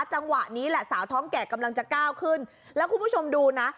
จังหวะนี้แหละสาวท้องแก่กำลังจะก้าวขึ้นแล้วคุณผู้ชมดูนะ